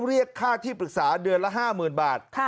เรียกค่าที่ปรึกษาเดือนละห้าหมื่นบาท